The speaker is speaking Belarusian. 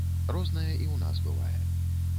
Рознае і ў нас бывае.